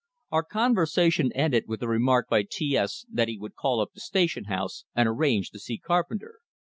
Our conversation ended with the remark by T S that he would call up the station house and arrange to see Carpenter.